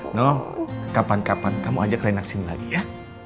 no kapan kapan kamu ajak rena kesini lagi ya